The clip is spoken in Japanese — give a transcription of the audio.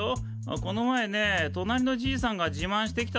この前ねとなりのじいさんが自慢してきたんだ。